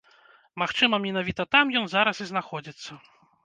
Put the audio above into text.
Магчыма менавіта там ён зараз і знаходзіцца.